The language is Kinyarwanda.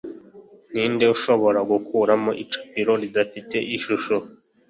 'ninde ushobora gukuramo icapiro ridafite ishusho